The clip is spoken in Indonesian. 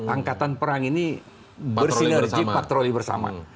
angkatan perang ini bersinergi patroli bersama